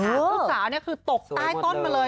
ลูกสาวนี่คือตกใต้ต้นมาเลย